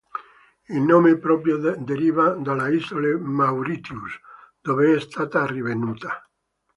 Il nome proprio deriva dalle isole Mauritius, dove è stata rinvenuta.